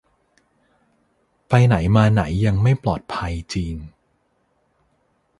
ไปไหนมาไหนยังไม่ปลอดภัยจริง